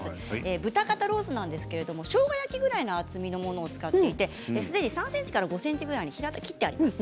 豚肩ロースですがしょうが焼き用くらいの厚みのものを使っていてすでに３ｃｍ×５ｃｍ程度に切ってあります。